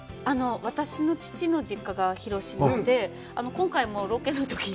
私の父の実家が広島で、今回もロケのときに。